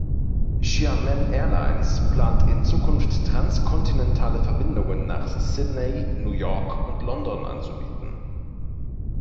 Xiamen Airlines plant in Zukunft transkontinentale Verbindungen nach Sydney, New York und London anzubieten.